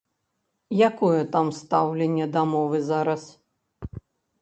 Якое там стаўленне да мовы зараз?